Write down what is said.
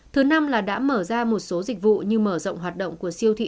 thứ năm là đã mở ra một số dịch vụ như mở rộng hoạt động của siêu thị